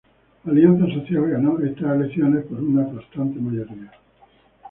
La Alianza Social ganó estas elecciones por una aplastante mayoría.